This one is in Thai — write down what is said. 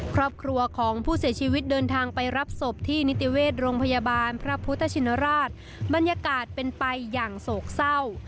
ครอบครัวของผู้เสียชีวิตเดินทางไปรับศพที่นิติเวชโรงพยาบาลพระพุทธชินราชบรรยากาศเป็นไปอย่างโศกเศร้า